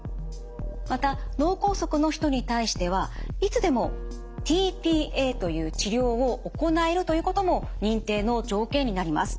また脳梗塞の人に対してはいつでもｔ−ＰＡという治療を行えるということも認定の条件になります。